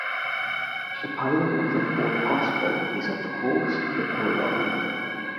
The pylon of the Fourth Gospel is of course the prologue.